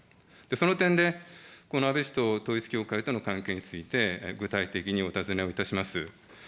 その点で、この安倍氏と統一教会との関係について、具体的にお尋ねをいたします。